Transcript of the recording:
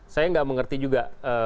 saya nggak mengerti juga